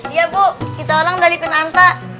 iya bu kita orang dari penanta